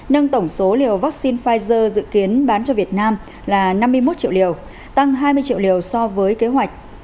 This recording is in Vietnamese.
nâng tổng số liều vaccine pfizer dự kiến bán cho việt nam là năm mươi một triệu liều tăng hai mươi triệu liều so với kế hoạch